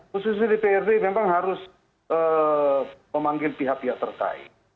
khususnya dprd memang harus memanggil pihak pihak terkait